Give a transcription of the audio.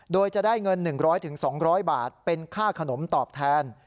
โดยจะได้เงิน๑๐๐๒๐๐บาทเป็นค่าขนมตอบแทน